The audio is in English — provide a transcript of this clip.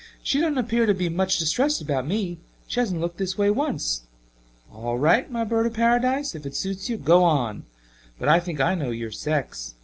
She doesn't appear to be much distressed about me she hasn't looked this way once. All right, my bird of Paradise, if it suits you, go on. But I think I know your sex.